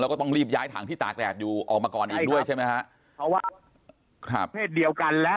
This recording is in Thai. แล้วก็ต้องรีบย้ายถังที่ตากแดดอยู่ออกมาก่อนอีกด้วยใช่ไหมฮะเพราะว่าครับเพศเดียวกันแล้ว